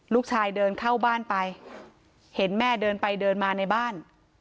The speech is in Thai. ลูกชายเดินเข้าบ้านไปเห็นแม่เดินไปเดินมาในบ้าน